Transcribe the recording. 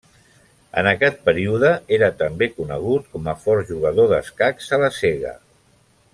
En aquest període era també conegut com a fort jugador d'escacs a la cega.